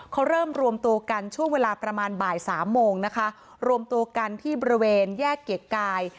เขาเริ่มรวมตัวกันช่วงเวลาประมาณบ่ายสามโมงนะคะรวมตัวกันที่บริเวณแยกเกียรติกาย